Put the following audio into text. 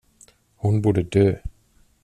Hon borde dö.